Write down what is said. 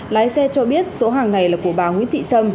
lái xe cho biết số hàng này là của bà nguyễn thị sâm